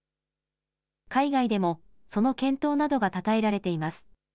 海外でもその健闘などがたたえられています。